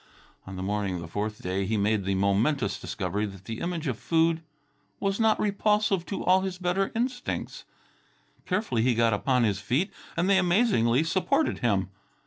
On the morning of the fourth day he made the momentous discovery that the image of food was not repulsive to all his better instincts. Carefully he got upon his feet and they amazingly supported him.